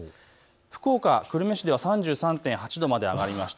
福岡、久留米市では３３．８度まで上がりました。